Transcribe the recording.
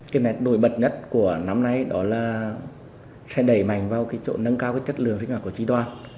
cái nét nổi bật nhất của năm nay đó là sẽ đẩy mạnh vào nâng cao chất lượng sinh hoạt của tri đoàn